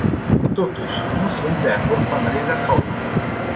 Totuși, nu sunt de acord cu analiza cauzelor.